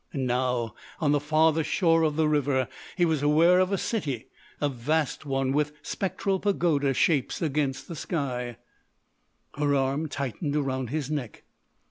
And now, on the farther shore of the river, he was aware of a city—a vast one, with spectral pagoda shapes against the sky—— Her arm tightened around his neck.